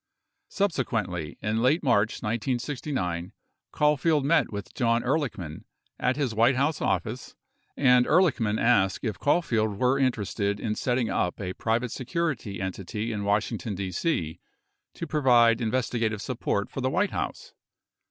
2 Subsequently in late March 1969, Caulfield met with John Ehr lichman, at his White House office, and Ehrlichman asked if Caulfield were interested in setting up a private security entity in Washington, D.C. to provide investigative support for the White House.